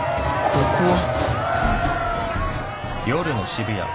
ここは。